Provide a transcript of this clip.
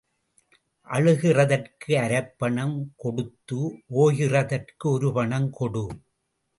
அழுகிறதற்கு அரைப்பணம் கொடுத்து ஓய்கிறதற்கு ஒரு பணம் கொடு.